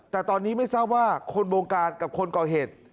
แต่ตอนนี้ไม่ทราบว่าคนวงการกับคนก่อเหตุ